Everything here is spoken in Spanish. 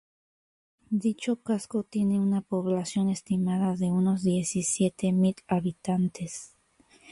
Dicho casco tiene una población estimada de unos diecisiete mil habitantes.